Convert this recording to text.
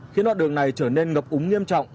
khiến đoạn đường này trở nên ngập úng nghiêm trọng